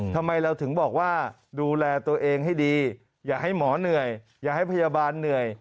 ทำไมเราถึงบอกว่าดูแลตัวเองให้ดีอย่าให้หมอเหนื่อยอย่าให้พยาบาลเหนื่อย